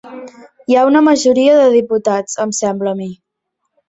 Hi ha una majoria de diputats, em sembla a mi.